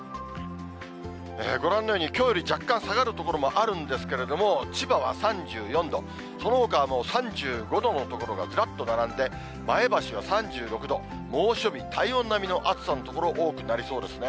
ご覧のようにきょうより若干下がる所もあるんですけれども、千葉は３４度、そのほかはもう３５度の所がずらっと並んで、前橋は３６度、猛暑日、体温並みの暑さの所、多くなりそうですね。